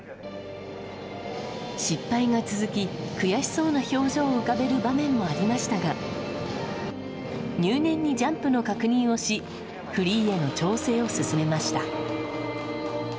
失敗が続き、悔しそうな表情を浮かべる場面もありましたが入念にジャンプの確認をしフリーへの調整を進めました。